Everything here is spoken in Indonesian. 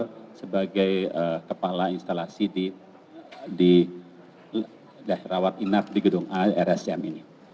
beliau sebagai kepala instalasi di rawat inap di gedung rscm ini